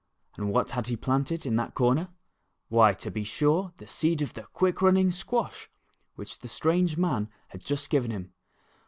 And what had he planted in that corner ? Why, to be sure, the seed of the quick running squash which the strange man had just given him.